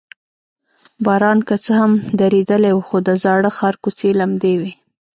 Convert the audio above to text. باران که څه هم درېدلی و، خو د زاړه ښار کوڅې لمدې وې.